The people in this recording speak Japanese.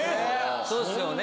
そうっすよね